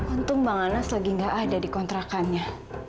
untung bang anas lagi nggak ada di kontrakannya